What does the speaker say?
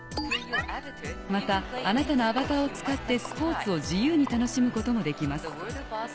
またあなたのアバターを使ってスポーツを自由に楽しむこともできます。